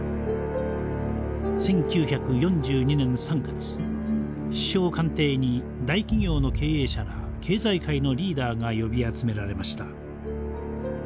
１９４２年３月首相官邸に大企業の経営者ら経済界のリーダーが呼び集められました。